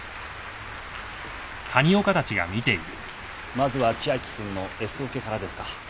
まずは千秋君のＳオケからですか。